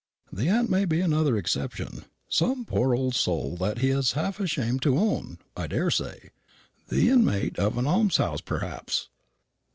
"The aunt may be another exception; some poor old soul that he's half ashamed to own, I daresay the inmate of an almshouse, perhaps.